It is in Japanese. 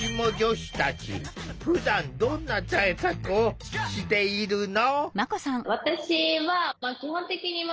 ふだんどんな対策をしているの？